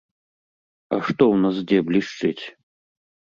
А што ў нас дзе блішчыць?